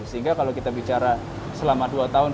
sehingga kalau kita bicara selama dua tahun